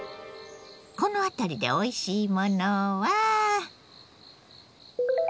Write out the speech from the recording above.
この辺りでおいしいものは？